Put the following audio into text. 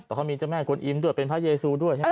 แต่เขามีเจ้าแม่กวนอิมด้วยเป็นพระเยซูด้วยใช่ไหม